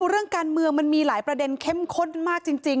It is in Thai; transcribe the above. เรื่องการเมืองมันมีหลายประเด็นเข้มข้นมากจริง